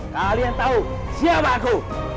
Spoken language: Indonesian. kalian tahu siapa aku